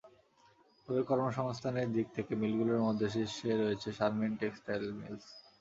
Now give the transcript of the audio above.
তবে কর্মসংস্থানের দিক থেকে মিলগুলোর মধ্যে শীর্ষে রয়েছে শারমিন টেক্সটাইল মিলস।